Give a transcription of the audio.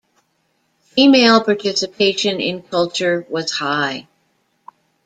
Female participation in culture was high.